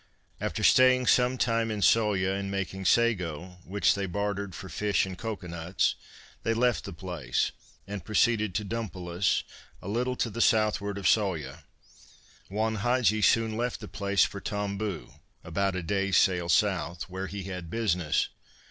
After staying some time in Sawyah and making sago, which they bartered for fish and cocoa nuts, they left the place and proceeded to Dumpolis, a little to the southward of Sawyah. Juan Hadgee soon left the place for Tomboo about a day's sail south, where he had business.